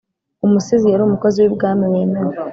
umusizi yari umukozi w'ibwami wemewe,